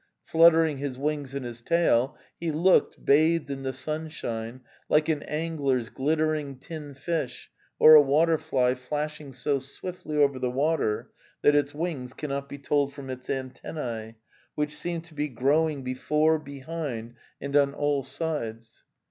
Fluttering his wings and his tail, he looked, bathed in the sun shine, like an angler's glittering tin fish or a waterfly flashing so swiftly over the water that its wings cannot be told from its antenne, which seem to be growing before, behind and on all sides.